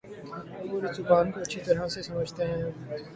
اور اس زبان کو اچھی طرح سے سمجھتے ہیں